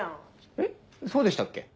えっそうでしたっけ？